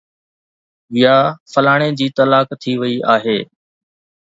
يا فلاڻي جي طلاق ٿي وئي آهي